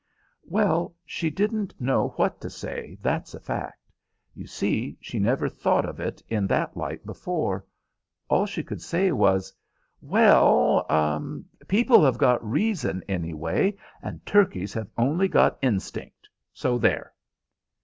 Well, she didn't know what to say, that's a fact. You see, she never thought of it in that light before. All she could say was, "Well, people have got reason, anyway, and turkeys have only got instinct; so there!"